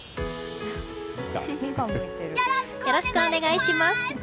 よろしくお願いします！